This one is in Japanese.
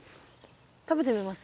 食べてみます？